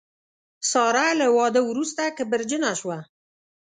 ساره له واده وروسته کبرجنه شوه.